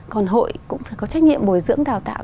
còn hội cũng phải có trách nhiệm bồi dưỡng đào tạo